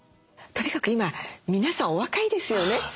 とにかく今皆さんお若いですよね。